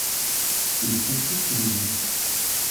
les sportifs courraient vite.